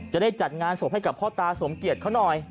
จะได้จัดงานศพให้กับพ่อตาสมเกียจเขาหน่อย